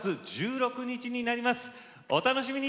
お楽しみに。